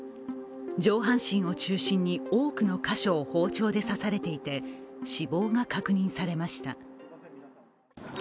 上半身を中心に多くの箇所を包丁で刺されていて、死亡が確認されました。